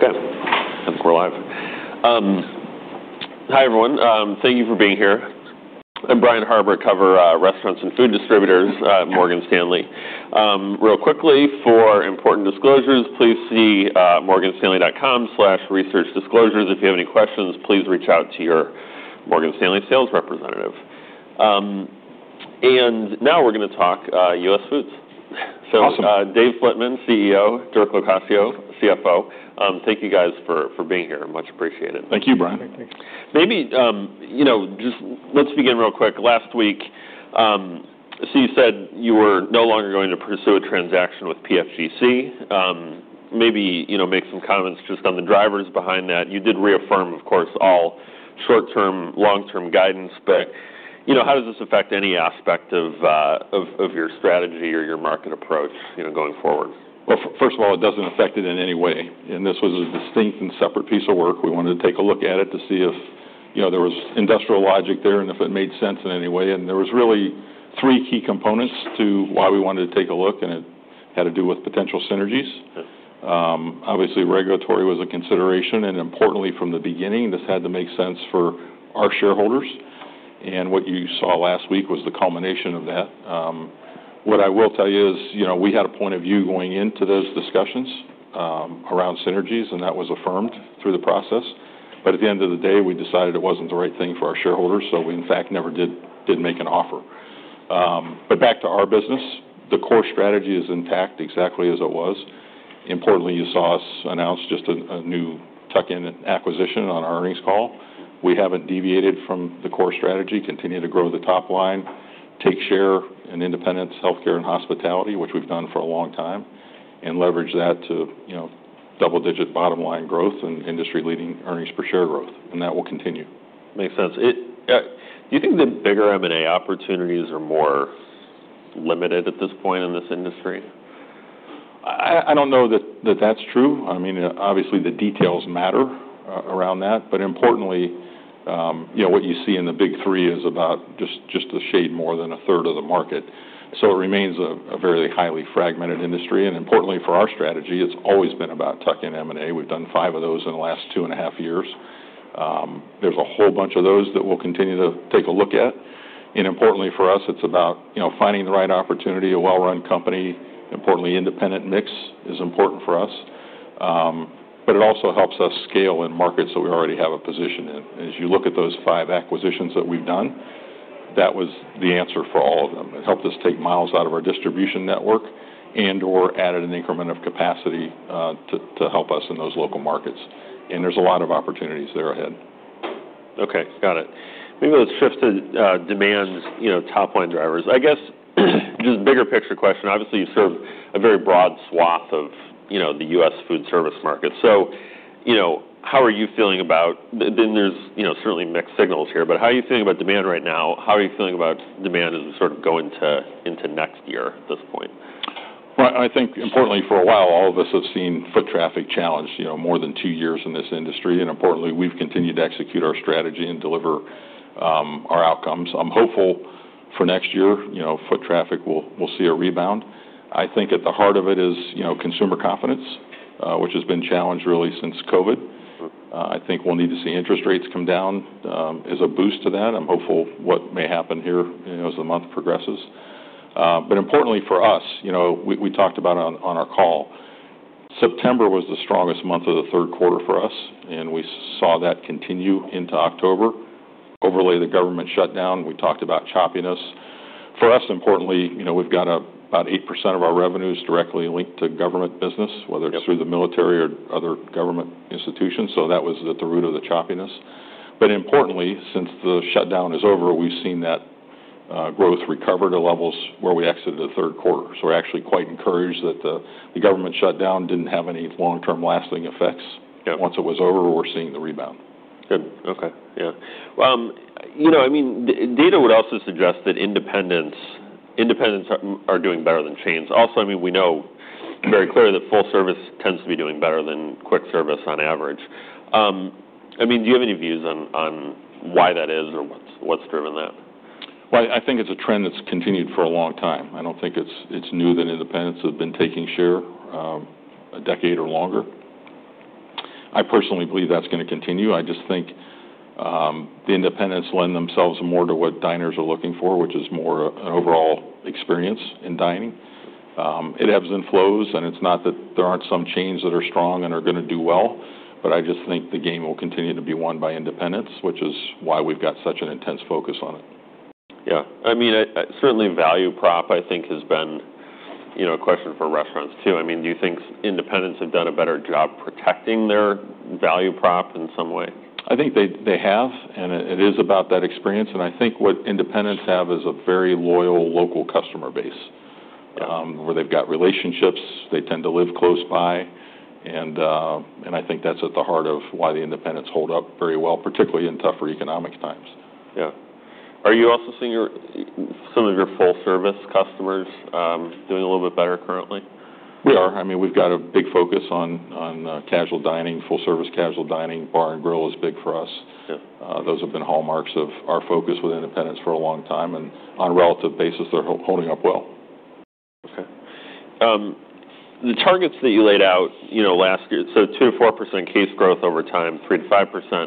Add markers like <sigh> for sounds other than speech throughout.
Okay, I think we're live. Hi, everyone. Thank you for being here. I'm Brian Harbour. I cover Restaurants and Food Distributors, Morgan Stanley. Real quickly, for important disclosures, please see morganstanley.com/researchdisclosures. If you have any questions, please reach out to your Morgan Stanley sales representative. Now we're going to talk about US Foods. So, Dave Flitman, CEO, Dirk Locascio, CFO. Thank you guys for being here. Much appreciated. Thank you, Brian. Thank you. Maybe, you know, just let's begin real quick. Last week, so you said you were no longer going to pursue a transaction with PFG. Maybe, you know, make some comments just on the drivers behind that. You did reaffirm, of course, all short-term, long-term guidance, but, you know, how does this affect any aspect of your strategy or your market approach, you know, going forward? First of all, it doesn't affect it in any way. This was a distinct and separate piece of work. We wanted to take a look at it to see if, you know, there was industrial logic there and if it made sense in any way. There were really three key components to why we wanted to take a look, and it had to do with potential synergies. Obviously, regulatory was a consideration. Importantly, from the beginning, this had to make sense for our shareholders. What you saw last week was the culmination of that. What I will tell you is, you know, we had a point of view going into those discussions, around synergies, and that was affirmed through the process. At the end of the day, we decided it wasn't the right thing for our shareholders. So we, in fact, never did make an offer. But back to our business, the core strategy is intact exactly as it was. Importantly, you saw us announce just a new tuck-in acquisition on our earnings call. We haven't deviated from the core strategy, continue to grow the top line, take share in independents, healthcare, and hospitality, which we've done for a long time, and leverage that to, you know, double-digit bottom line growth and industry-leading earnings per share growth. And that will continue. Makes sense. Do you think the bigger M&A opportunities are more limited at this point in this industry? I don't know that that's true. I mean, obviously the details matter, around that. But importantly, you know, what you see in the big three is about just a shade more than 1/3 of the market. So it remains a very highly fragmented industry. And importantly for our strategy, it's always been about tuck-in M&A. We've done five of those in the last two 1/2 years. There's a whole bunch of those that we'll continue to take a look at. And importantly for us, it's about, you know, finding the right opportunity, a well-run company. Importantly, independent mix is important for us. But it also helps us scale in markets that we already have a position in. And as you look at those five acquisitions that we've done, that was the answer for all of them. It helped us take miles out of our distribution network and/or added an increment of capacity, to help us in those local markets, and there's a lot of opportunities there ahead. Okay, got it. Maybe let's shift to demand, you know, top line drivers. I guess just a bigger picture question. Obviously, you serve a very broad swath of, you know, the U.S. food service market. So, you know, how are you feeling about demand? Then there's, you know, certainly mixed signals here, but how are you feeling about demand right now? How are you feeling about demand as we sort of go into next year at this point? I think importantly for a while, all of us have seen foot traffic challenged, you know, more than two years in this industry. Importantly, we've continued to execute our strategy and deliver our outcomes. I'm hopeful for next year, you know, foot traffic will see a rebound. I think at the heart of it is, you know, consumer confidence, which has been challenged really since COVID. I think we'll need to see interest rates come down, as a boost to that. I'm hopeful what may happen here, you know, as the month progresses. Importantly for us, you know, we talked about on our call, September was the strongest month of the third quarter for us, and we saw that continue into October, overlay the government shutdown. We talked about choppiness. For us, importantly, you know, we've got about 8% of our revenues directly linked to government business, whether it's through the military or other government institutions. So that was at the root of the choppiness. But importantly, since the shutdown is over, we've seen that growth recover to levels where we exited the third quarter. So we're actually quite encouraged that the government shutdown didn't have any long-term lasting effects. Yeah. Once it was over, we're seeing the rebound. Good. Okay. Yeah. Well, you know, I mean, data would also suggest that independents are doing better than chains. Also, I mean, we know very clearly that full service tends to be doing better than quick service on average. I mean, do you have any views on why that is or what's driven that? I think it's a trend that's continued for a long time. I don't think it's new that independents have been taking share, a decade or longer. I personally believe that's going to continue. I just think the independents lend themselves more to what diners are looking for, which is more an overall experience in dining. It ebbs and flows, and it's not that there aren't some chains that are strong and are going to do well, but I just think the game will continue to be won by independents, which is why we've got such an intense focus on it. Yeah. I mean, I certainly value prop. I think has been, you know, a question for restaurants too. I mean, do you think independents have done a better job protecting their value prop in some way? I think they have, and it is about that experience. I think what independents have is a very loyal local customer base, where they've got relationships, they tend to live close by, and I think that's at the heart of why the independents hold up very well, particularly in tougher economic times. Yeah. Are you also seeing your, some of your full service customers, doing a little bit better currently? We are. I mean, we've got a big focus on casual dining, full service casual dining. Bar and grill is big for us. Yeah. Those have been hallmarks of our focus with independents for a long time and on a relative basis, they're holding up well. Okay. The targets that you laid out, you know, last year, so 2%-4% case growth over time, 3%-5%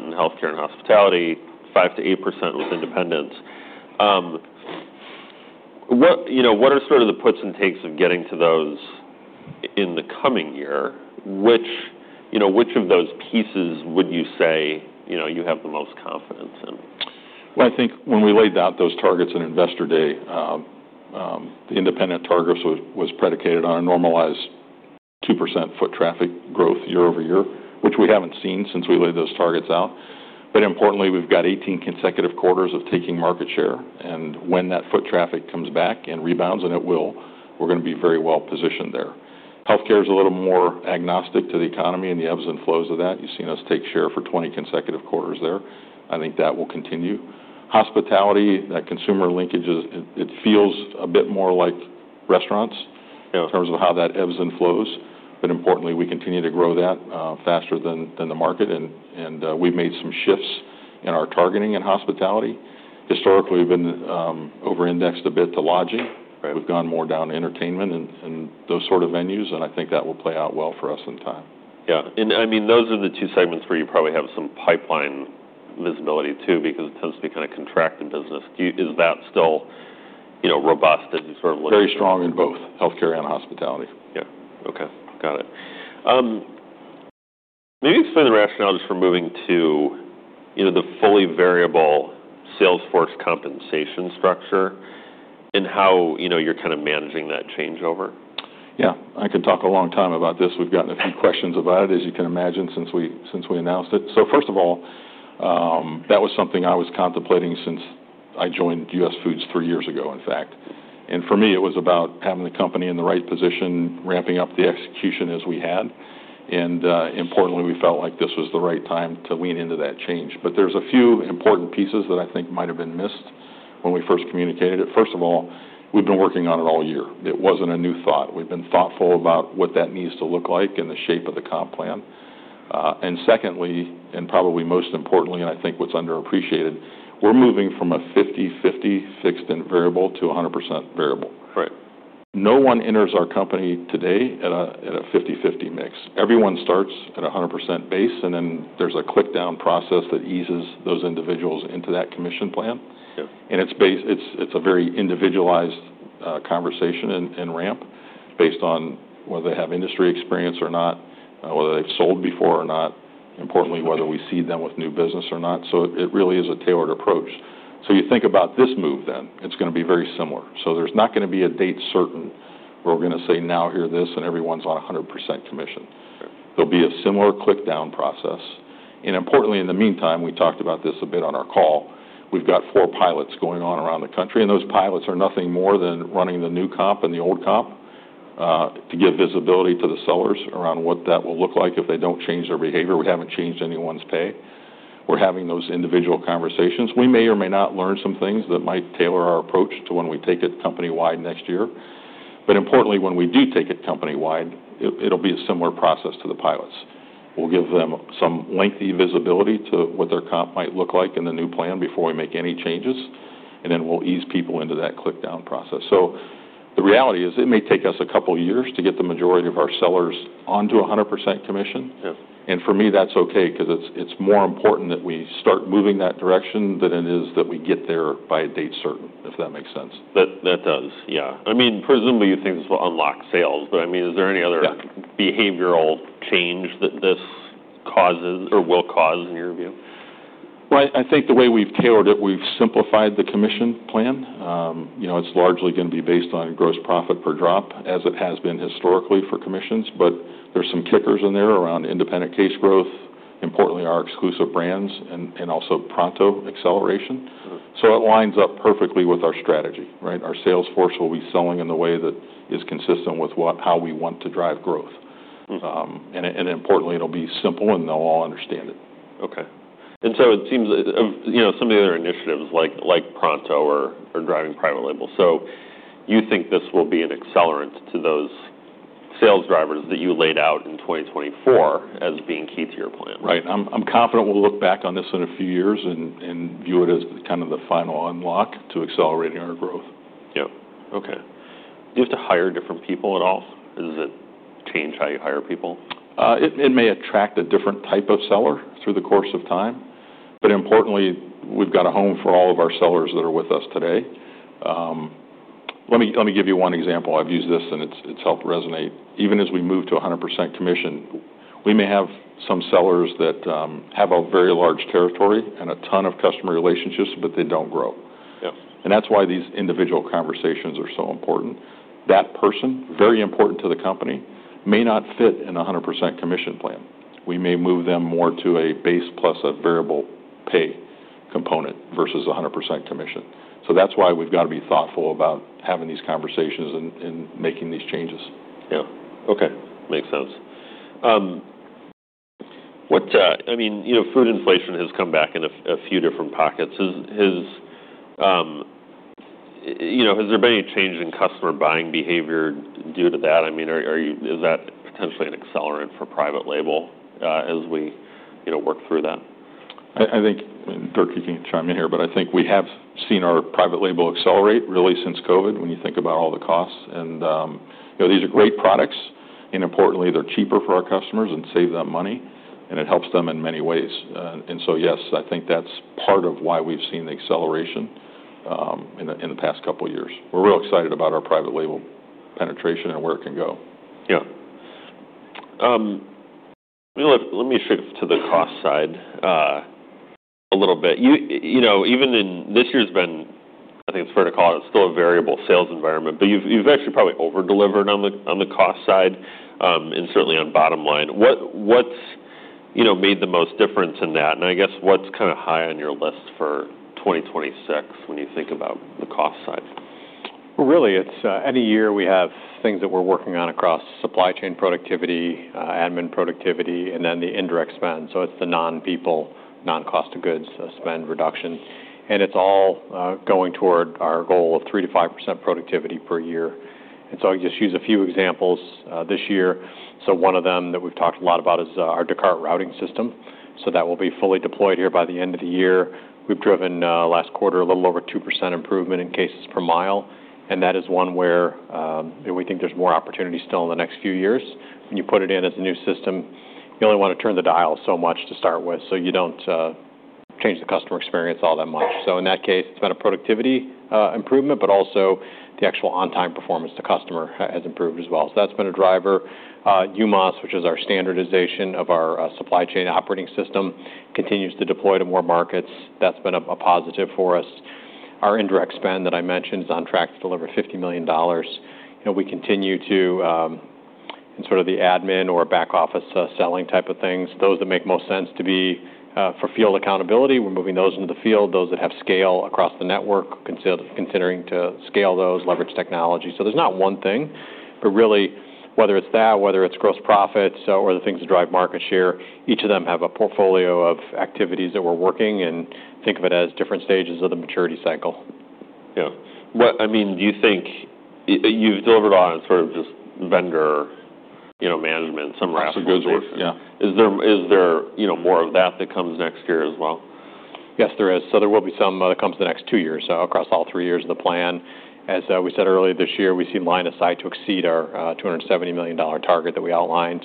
in healthcare and hospitality, 5%-8% with independents. What, you know, what are sort of the puts and takes of getting to those in the coming year? Which, you know, which of those pieces would you say, you know, you have the most confidence in? I think when we laid out those targets on investor day, the independent targets was predicated on a normalized 2% foot traffic growth year-over-year, which we haven't seen since we laid those targets out. But importantly, we've got 18 consecutive quarters of taking market share. And when that foot traffic comes back and rebounds, and it will, we're going to be very well positioned there. Healthcare is a little more agnostic to the economy and the ebbs and flows of that. You've seen us take share for 20 consecutive quarters there. I think that will continue. Hospitality, that consumer linkage is, it feels a bit more like restaurants, you know, in terms of how that ebbs and flows. But importantly, we continue to grow that faster than the market. And we've made some shifts in our targeting in hospitality. Historically, we've been over-indexed a bit to lodging. Right. We've gone more down to entertainment and those sort of venues. And I think that will play out well for us in time. Yeah. And I mean, those are the two segments where you probably have some pipeline visibility too, because it tends to be kind of contracting business. Do you, is that still, you know, robust that you sort of look at? Very strong in both healthcare and hospitality. Yeah. Okay. Got it. Maybe explain the rationale just for moving to, you know, the fully variable sales force compensation structure and how, you know, you're kind of managing that changeover? Yeah. I could talk a long time about this. We've gotten a few questions about it, as you can imagine, since we announced it. So first of all, that was something I was contemplating since I joined US Foods three years ago, in fact. And for me, it was about having the company in the right position, ramping up the execution as we had. And, importantly, we felt like this was the right time to lean into that change. But there's a few important pieces that I think might've been missed when we first communicated it. First of all, we've been working on it all year. It wasn't a new thought. We've been thoughtful about what that needs to look like and the shape of the comp plan. And secondly, and probably most importantly, and I think what's underappreciated, we're moving from a 50/50 fixed and variable to a 100% variable. Right. No one enters our company today at a 50/50 mix. Everyone starts at 100% base, and then there's a click-down process that eases those individuals into that commission plan. Yeah. And it's based. It's a very individualized conversation and ramp based on whether they have industry experience or not, whether they've sold before or not, importantly, whether we seed them with new business or not. So it really is a tailored approach. So you think about this move then. It's going to be very similar. So there's not going to be a date certain where we're going to say, now hear this, and everyone's on 100% commission. There'll be a similar click-down process. And importantly, in the meantime, we talked about this a bit on our call. We've got four pilots going on around the country, and those pilots are nothing more than running the new comp and the old comp, to give visibility to the sellers around what that will look like if they don't change their behavior. We haven't changed anyone's pay. We're having those individual conversations. We may or may not learn some things that might tailor our approach to when we take it company-wide next year. But importantly, when we do take it company-wide, it'll be a similar process to the pilots. We'll give them some lengthy visibility to what their comp might look like in the new plan before we make any changes. And then we'll ease people into that click-down process. So the reality is it may take us a couple of years to get the majority of our sellers onto 100% commission. Yes. For me, that's okay because it's more important that we start moving that direction than it is that we get there by a date certain, if that makes sense. That, that does. Yeah. I mean, presumably you think this will unlock sales, but I mean, is there any other? Yeah. Behavioral change that this causes or will cause in your view? I think the way we've tailored it, we've simplified the commission plan. You know, it's largely going to be based on gross profit per drop as it has been historically for commissions, but there's some kickers in there around independent case growth, importantly, our exclusive brands and also Pronto acceleration. So it lines up perfectly with our strategy, right? Our sales force will be selling in the way that is consistent with what, how we want to drive growth. Mm-hmm. And importantly, it'll be simple and they'll all understand it. Okay. And so it seems that, you know, some of the other initiatives like Pronto are. <audio distortion> So you think this will be an accelerant to those sales drivers that you laid out in 2024 as being key to your plan, right? Right. I'm confident we'll look back on this in a few years and view it as kind of the final unlock to accelerating our growth. Yep. Okay. Do you have to hire different people at all? Does it change how you hire people? It may attract a different type of seller through the course of time. But importantly, we've got a home for all of our sellers that are with us today. Let me give you one example. I've used this and it's helped resonate. Even as we move to 100% commission, we may have some sellers that have a very large territory and a ton of customer relationships, but they don't grow. Yeah. That's why these individual conversations are so important. That person, very important to the company, may not fit in a 100% commission plan. We may move them more to a base plus a variable pay component versus a 100% commission plan. That's why we've got to be thoughtful about having these conversations and making these changes. Yeah. Okay. Makes sense. I mean, you know, food inflation has come back in a few different pockets. You know, has there been any change in customer buying behavior due to that? I mean, are you, is that potentially an accelerant for private label, as we, you know, work through that? I think, and Dirk, you can chime in here, but I think we have seen our private label accelerate really since COVID when you think about all the costs. And, you know, these are great products and importantly, they're cheaper for our customers and save them money, and it helps them in many ways. And so yes, I think that's part of why we've seen the acceleration in the past couple of years. We're real excited about our private label penetration and where it can go. Yeah, you know, let me shift to the cost side a little bit. You know, even in this year it's been, I think it's fair to call it, still a variable sales environment, but you've actually probably over-delivered on the cost side, and certainly on the bottom line. What's made the most difference in that? I guess what's kind of high on your list for 2026 when you think about the cost side? Really, it's any year we have things that we're working on across supply chain productivity, admin productivity, and then the indirect spend. So it's the non-people, non-cost of goods, spend reductions. And it's all going toward our goal of 3%-5% productivity per year. And so I'll just use a few examples this year. So one of them that we've talked a lot about is our Descartes routing system. So that will be fully deployed here by the end of the year. We've driven last quarter a little over 2% improvement in cases per mile. And that is one where we think there's more opportunity still in the next few years. When you put it in as a new system, you only want to turn the dial so much to start with, so you don't change the customer experience all that much. So in that case, it's been a productivity improvement, but also the actual on-time performance to customer has improved as well. So that's been a driver. UMAs, which is our standardization of our supply chain operating system, continues to deploy to more markets. That's been a positive for us. Our indirect spend that I mentioned is on track to deliver $50 million. You know, we continue to, in sort of the admin or back office, selling type of things, those that make most sense to be, for field accountability, we're moving those into the field, those that have scale across the network, considering to scale those, leverage technology. There's not one thing, but really, whether it's that, whether it's gross profits, or the things that drive market share, each of them have a portfolio of activities that we're working and think of it as different stages of the maturity cycle. Yeah. What, I mean, do you think you've delivered on sort of just vendor, you know, management, some wrap-up? Sounds good. Yeah. Is there, you know, more of that that comes next year as well? Yes, there is. So there will be some that comes the next two years, across all three years of the plan. As we said earlier this year, we seem likely to exceed our $270 million target that we outlined.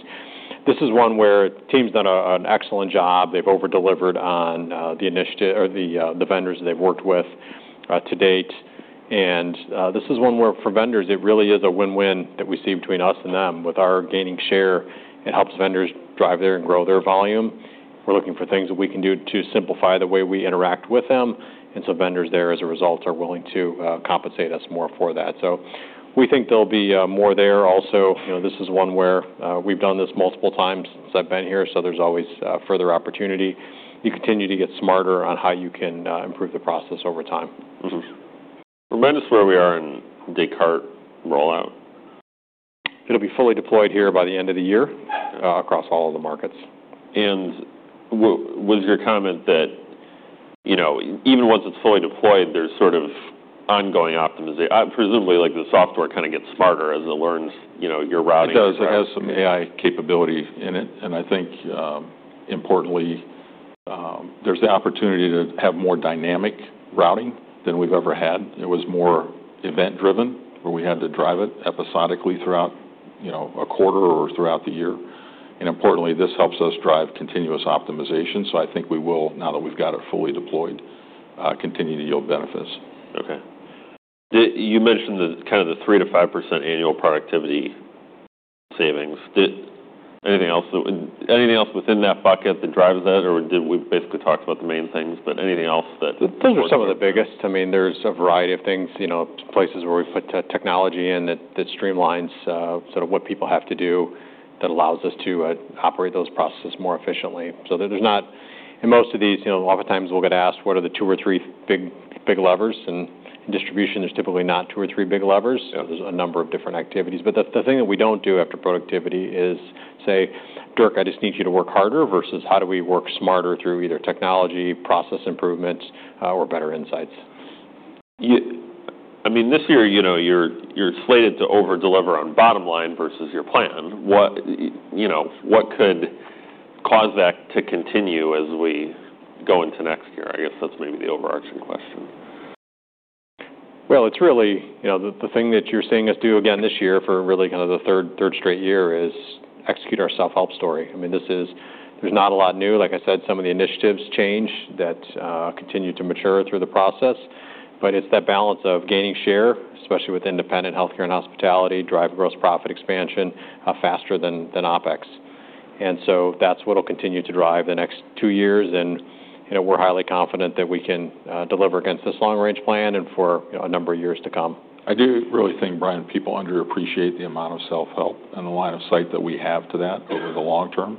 This is one where the team's done an excellent job. They've over-delivered on the initiative or the vendors that they've worked with to date. And this is one where for vendors it really is a win-win that we see between us and them. With our gaining share, it helps vendors drive their and grow their volume. We're looking for things that we can do to simplify the way we interact with them. And so vendors there as a result are willing to compensate us more for that. So we think there'll be more there also. You know, this is one where, we've done this multiple times since I've been here, so there's always, further opportunity. You continue to get smarter on how you can, improve the process over time. Mm-hmm. Remind us where we are in Descartes rollout? It'll be fully deployed here by the end of the year, across all of the markets. Was your comment that, you know, even once it's fully deployed, there's sort of ongoing optimization, presumably like the software kind of gets smarter as it learns, you know, your routing? It does. It has some AI capability in it, and I think, importantly, there's the opportunity to have more dynamic routing than we've ever had. It was more event-driven where we had to drive it episodically throughout, you know, a quarter or throughout the year, and importantly, this helps us drive continuous optimization, so I think we will, now that we've got it fully deployed, continue to yield benefits. Okay. Did you mention the kind of the 3%-5% annual productivity savings? Anything else within that bucket that drives that, or did we basically talk about the main things, but anything else that? Those are some of the biggest. I mean, there's a variety of things, you know, places where we put tech technology in that, that streamlines, sort of what people have to do that allows us to, operate those processes more efficiently. So there's not, and most of these, you know, a lot of times we'll get asked, what are the two or three big, big levers? And distribution is typically not two or three big levers. You know, there's a number of different activities. But the, the thing that we don't do after productivity is say, Dirk, I just need you to work harder versus how do we work smarter through either technology, process improvements, or better insights? You, I mean, this year, you know, you're slated to over-deliver on bottom line versus your plan. What, you know, what could cause that to continue as we go into next year? I guess that's maybe the overarching question. It's really, you know, the thing that you're seeing us do again this year for really kind of the third straight year is execute our self-help strategy. I mean, this is, there's not a lot new. Like I said, some of the initiatives that continue to mature through the process, but it's that balance of gaining share, especially with independent healthcare and hospitality, drive gross profit expansion, faster than OpEx. And so that's what'll continue to drive the next two years. And, you know, we're highly confident that we can deliver against this long-range plan and for, you know, a number of years to come. I do really think, Brian, people underappreciate the amount of self-help and the line of sight that we have to that over the long term.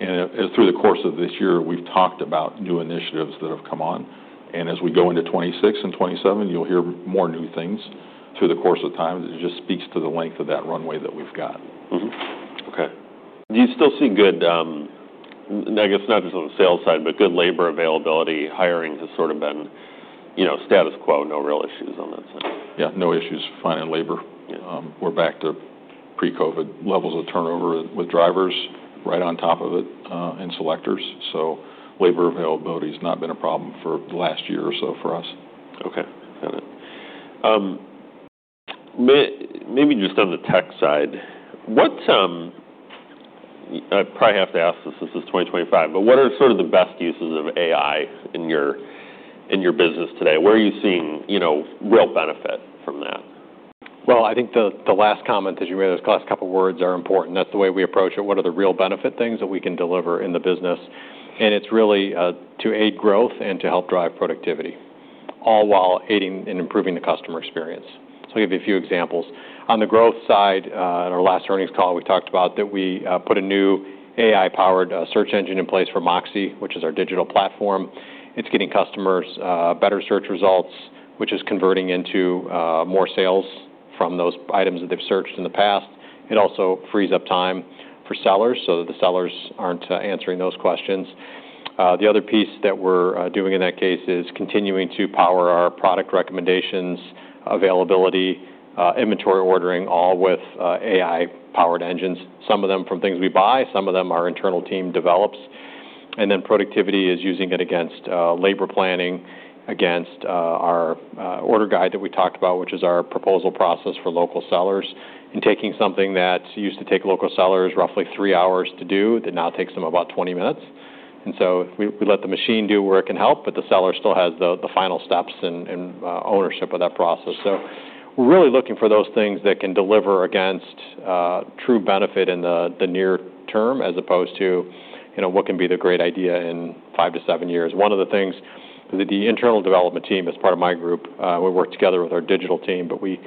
Through the course of this year, we've talked about new initiatives that have come on. As we go into 2026 and 2027, you'll hear more new things through the course of time. It just speaks to the length of that runway that we've got. Mm-hmm. Okay. Do you still see good, I guess not just on the sales side, but good labor availability? Hiring has sort of been, you know, status quo, no real issues on that side. Yeah, no issues finding labor. Yeah. We're back to pre-COVID levels of turnover with drivers right on top of it, and selectors. So labor availability has not been a problem for the last year or so for us. Okay. Got it. Maybe just on the tech side, what, I probably have to ask this, this is 2025, but what are sort of the best uses of AI in your, in your business today? Where are you seeing, you know, real benefit from that? I think the last comment, as you made those last couple of words are important. That's the way we approach it. What are the real benefit things that we can deliver in the business? And it's really to aid growth and to help drive productivity, all while aiding and improving the customer experience. So I'll give you a few examples. On the growth side, in our last earnings call, we talked about that we put a new AI-powered search engine in place for MOXē, which is our digital platform. It's getting customers better search results, which is converting into more sales from those items that they've searched in the past. It also frees up time for sellers so that the sellers aren't answering those questions. The other piece that we're doing in that case is continuing to power our product recommendations, availability, inventory ordering, all with AI-powered engines. Some of them from things we buy, some of them our internal team develops. And then productivity is using it against labor planning, against our order guide that we talked about, which is our proposal process for local sellers and taking something that used to take local sellers roughly three hours to do that now takes them about 20 minutes. And so we let the machine do where it can help, but the seller still has the final steps and ownership of that process. So we're really looking for those things that can deliver against true benefit in the near term as opposed to, you know, what can be the great idea in five to seven years. One of the things that the internal development team is part of my group. We work together with our digital team, but we,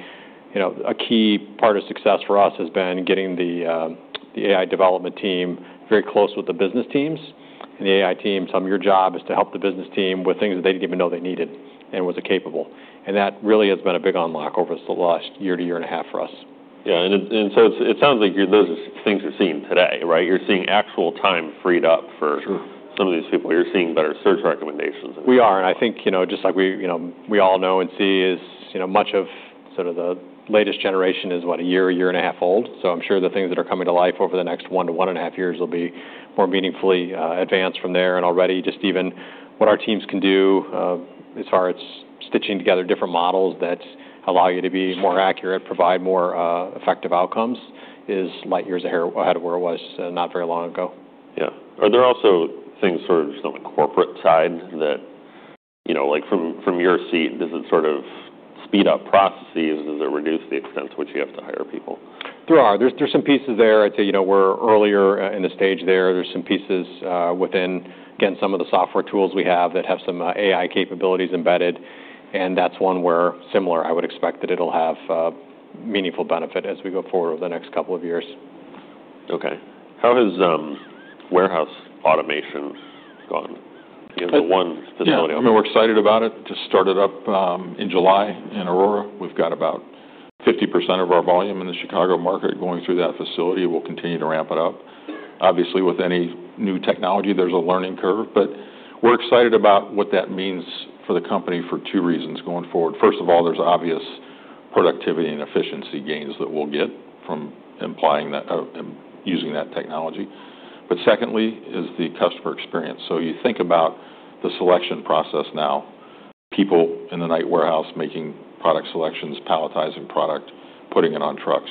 you know, a key part of success for us has been getting the AI development team very close with the business teams. And the AI team, some of our job is to help the business team with things that they didn't even know they needed and was capable. And that really has been a big unlock over the last year to year and a half for us. Yeah, and so it sounds like those are things you're seeing today, right? You're seeing actual time freed up for some of these people. You're seeing better search recommendations. We are, and I think, you know, just like we, you know, we all know and see, is, you know, much of sort of the latest generation is what, a year, a year and a half old. So I'm sure the things that are coming to life over the next one to one and a half years will be more meaningfully advanced from there, and already just even what our teams can do, as far as stitching together different models that allow you to be more accurate, provide more effective outcomes, is light years ahead of where it was, not very long ago. Yeah. Are there also things sort of from the corporate side that, you know, like from, from your seat, does it sort of speed up processes? Does it reduce the extent to which you have to hire people? There are some pieces there. I'd say, you know, we're earlier in the stage there. There are some pieces within, again, some of the software tools we have that have some AI capabilities embedded. And that's one where similarly, I would expect that it'll have meaningful benefit as we go forward over the next couple of years. Okay. How has warehouse automation gone? You know, the one facility on there. I mean, we're excited about it. It just started up, in July in Aurora. We've got about 50% of our volume in the Chicago market going through that facility. We'll continue to ramp it up. Obviously, with any new technology, there's a learning curve, but we're excited about what that means for the company for two reasons going forward. First of all, there's obvious productivity and efficiency gains that we'll get from implying that, using that technology. But secondly is the customer experience. So you think about the selection process now, people in the night warehouse making product selections, palletizing product, putting it on trucks,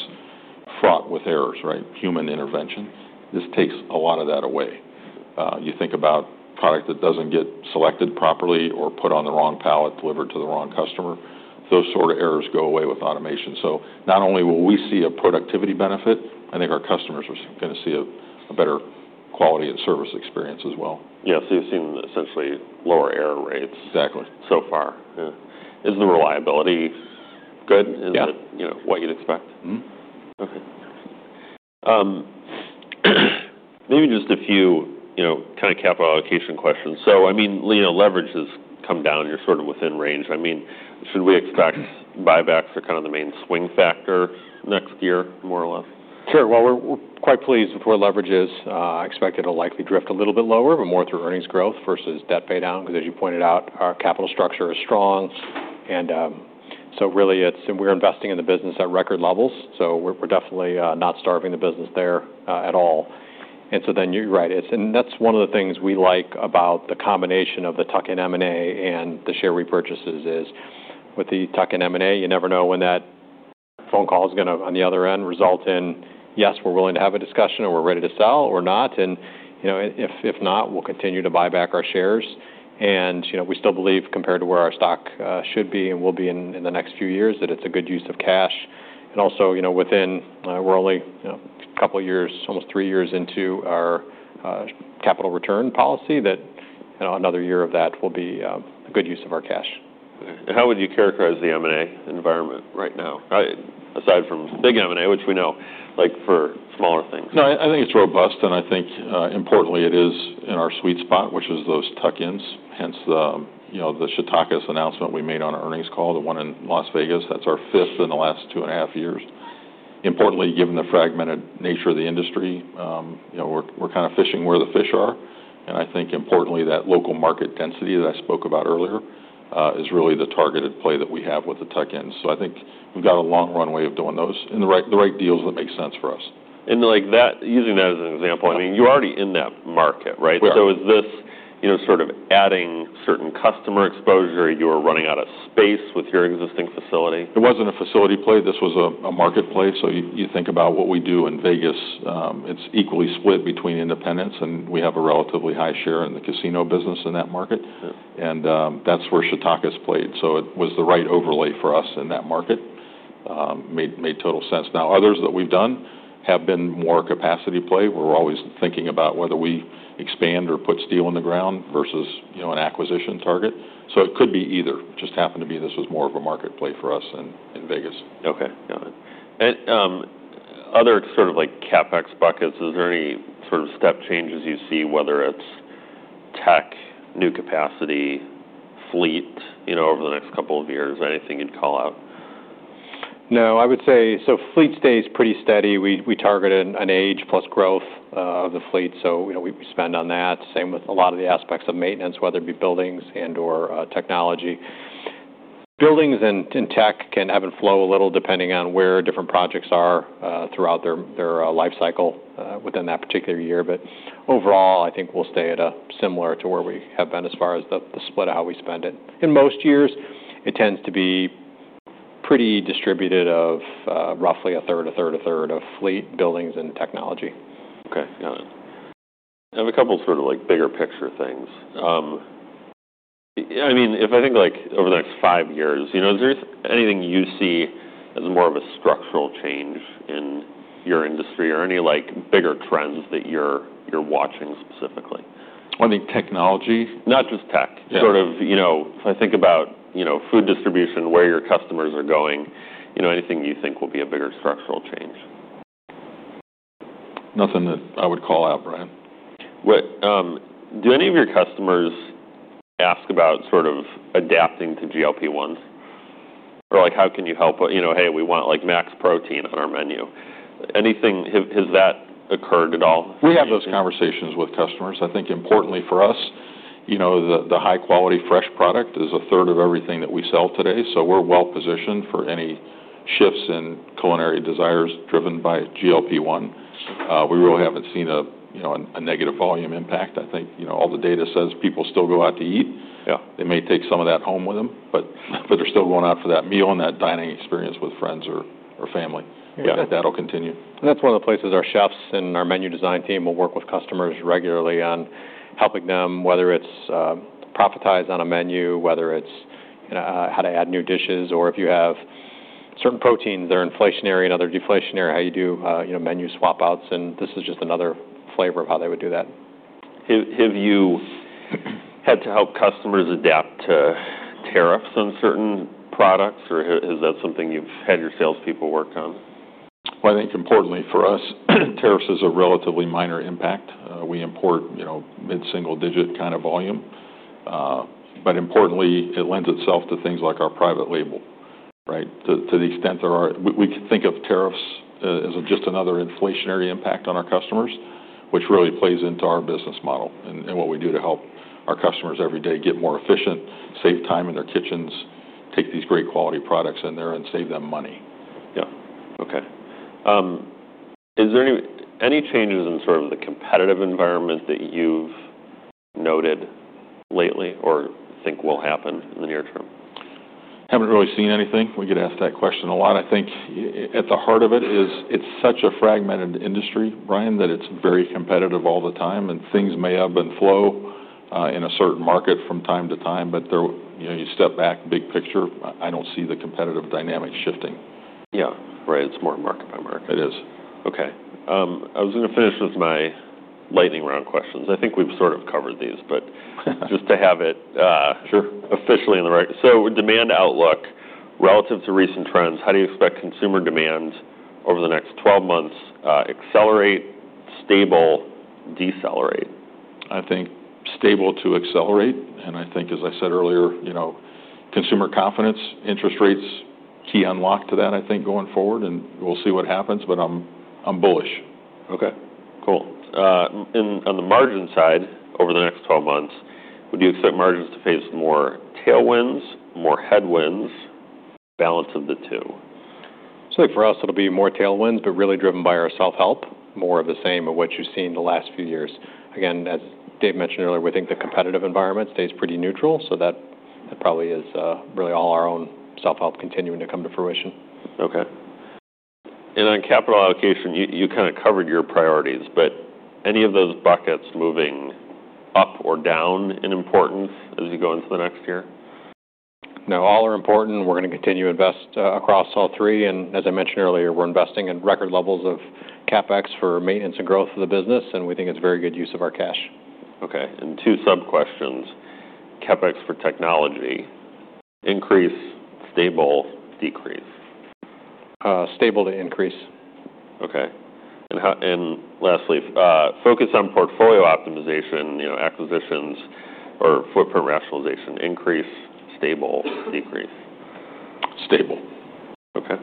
fraught with errors, right? Human intervention. This takes a lot of that away. You think about product that doesn't get selected properly or put on the wrong pallet, delivered to the wrong customer. Those sort of errors go away with automation. So not only will we see a productivity benefit, I think our customers are going to see a better quality and service experience as well. Yeah. So you've seen essentially lower error rates. Exactly. So far. Is the reliability good? Is it, you know, what you'd expect? Mm-hmm. Okay. Maybe just a few, you know, kind of capital allocation questions. So, I mean, you know, leverage has come down. You're sort of within range. I mean, should we expect buybacks are kind of the main swing factor next year, more or less? Sure. Well, we're quite pleased with where leverage is. I expect it'll likely drift a little bit lower, but more through earnings growth versus debt pay down. Because as you pointed out, our capital structure is strong. So really it's, and we're investing in the business at record levels. So we're definitely not starving the business there, at all. And so then you're right. It's, and that's one of the things we like about the combination of the tuck-in M&A and the share repurchases is with the tuck-in M&A, you never know when that phone call is going to, on the other end, result in, yes, we're willing to have a discussion and we're ready to sell or not. And, you know, if not, we'll continue to buy back our shares. And, you know, we still believe, compared to where our stock should be and will be in the next few years, that it's a good use of cash. And also, you know, within, we're only, you know, a couple of years, almost three years into our capital return policy that, you know, another year of that will be a good use of our cash. And how would you characterize the M&A environment right now, aside from big M&A, which we know like for smaller things? No, I think it's robust. And I think, importantly it is in our sweet spot, which is those tuck-ins, hence the, you know, the Chautauqua's announcement we made on our earnings call, the one in Las Vegas. That's our fifth in the last two and a half years. Importantly, given the fragmented nature of the industry, you know, we're kind of fishing where the fish are. And I think importantly that local market density that I spoke about earlier, is really the targeted play that we have with the tuck-ins. So I think we've got a long runway of doing those in the right deals that make sense for us. Like that, using that as an example, I mean, you're already in that market, right? So is this, you know, sort of adding certain customer exposure? You're running out of space with your existing facility? It wasn't a facility play. This was a marketplace. So you think about what we do in Vegas. It's equally split between independents and we have a relatively high share in the casino business in that market. And that's where Chitakis played. So it was the right overlay for us in that market. Made total sense. Now, others that we've done have been more capacity play. We're always thinking about whether we expand or put steel in the ground versus, you know, an acquisition target. So it could be either. It just happened to be this was more of a market play for us in Vegas. Okay. Got it. And other sort of like CapEx buckets, is there any sort of step changes you see, whether it's tech, new capacity, fleet, you know, over the next couple of years, anything you'd call out? No, I would say, so fleet stays pretty steady. We target an age plus growth, of the fleet. So, you know, we spend on that. Same with a lot of the aspects of maintenance, whether it be buildings and/or, technology. Buildings and tech can have it flow a little depending on where different projects are, throughout their life cycle, within that particular year. But overall, I think we'll stay at a similar to where we have been as far as the split of how we spend it. In most years, it tends to be pretty distributed of, roughly 1/3, 1/3, 1/3 of fleet, buildings, and technology. Okay. Got it. I have a couple sort of like bigger picture things. I mean, if I think like over the next five years, you know, is there anything you see as more of a structural change in your industry or any like bigger trends that you're watching specifically? I think technology. Not just tech. Sort of, you know, if I think about, you know, food distribution, where your customers are going, you know, anything you think will be a bigger structural change? Nothing that I would call out, Brian. What, do any of your customers ask about sort of adapting to GLP-1s? Or like, how can you help? You know, hey, we want like max protein on our menu. Anything, has that occurred at all? We have those conversations with customers. I think importantly for us, you know, the high quality fresh product is a third of everything that we sell today. So we're well positioned for any shifts in culinary desires driven by GLP-1. We really haven't seen a, you know, a negative volume impact. I think, you know, all the data says people still go out to eat. Yeah. They may take some of that home with them, but they're still going out for that meal and that dining experience with friends or family. Yeah, that'll continue. And that's one of the places our chefs and our menu design team will work with customers regularly on helping them, whether it's profitize on a menu, whether it's, you know, how to add new dishes, or if you have certain proteins that are inflationary and other deflationary, how you do, you know, menu swap outs. And this is just another flavor of how they would do that. Have you had to help customers adapt to tariffs on certain products? Or is that something you've had your salespeople work on? I think importantly for us, tariffs is a relatively minor impact. We import, you know, mid-single digit kind of volume. But importantly, it lends itself to things like our private label, right? To the extent there are, we can think of tariffs as just another inflationary impact on our customers, which really plays into our business model and what we do to help our customers every day get more efficient, save time in their kitchens, take these great quality products in there and save them money. Yeah. Okay. Is there any changes in sort of the competitive environment that you've noted lately or think will happen in the near term? Haven't really seen anything. We get asked that question a lot. I think at the heart of it is it's such a fragmented industry, Brian, that it's very competitive all the time and things may ebb and flow in a certain market from time to time, but there, you know, you step back, big picture, I don't see the competitive dynamic shifting. Yeah. Right. It's more market by market. It is. Okay. I was going to finish with my lightning round questions. I think we've sort of covered these, but just to have it officially in the right. So, demand outlook relative to recent trends, how do you expect consumer demand over the next 12 months: accelerate, stable, decelerate? I think stable to accelerate, and I think, as I said earlier, you know, consumer confidence, interest rates, key unlock to that. I think going forward, and we'll see what happens, but I'm bullish. Okay. Cool. And on the margin side over the next 12 months, would you expect margins to face more tailwinds, more headwinds, balance of the two? I'd say for us, it'll be more tailwinds, but really driven by our self-help, more of the same of what you've seen the last few years. Again, as Dave mentioned earlier, we think the competitive environment stays pretty neutral. So that, that probably is really all our own self-help continuing to come to fruition. Okay, and on capital allocation, you kind of covered your priorities, but any of those buckets moving up or down in importance as we go into the next year? No, all are important. We're going to continue to invest, across all three. And as I mentioned earlier, we're investing in record levels of CapEx for maintenance and growth of the business. And we think it's very good use of our cash. Okay. And two sub-questions. CapEx for technology, increase, stable, decrease? Stable to increase. Okay. And how, and lastly, focus on portfolio optimization, you know, acquisitions or footprint rationalization, increase, stable, decrease? Stable. Okay.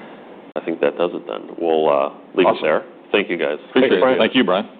I think that does it then. We'll leave it there. Thank you guys. Thank you, Brian. Thank you, Brian.